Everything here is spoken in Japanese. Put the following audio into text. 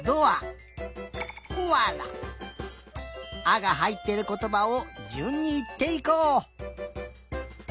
「あ」がはいってることばをじゅんにいっていこう。